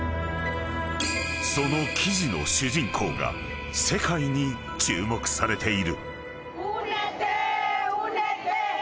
［その記事の主人公が世界に注目されている］